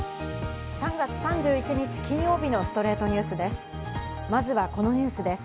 ３月３１日、金曜日の『ストレイトニュース』です。